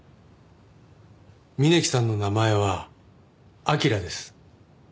峯木さんの名前は「明」です。